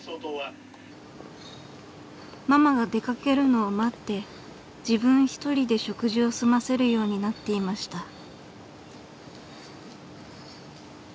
［ママが出掛けるのを待って自分一人で食事を済ませるようになっていました］